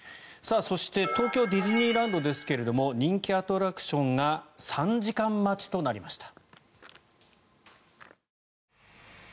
東京ディズニーランドですが人気アトラクションが３時間待ちとなりました。